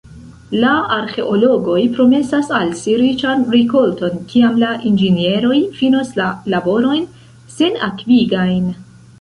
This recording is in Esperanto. La arĥeologoj promesas al si riĉan rikolton, kiam la inĝenieroj finos la laborojn senakvigajn.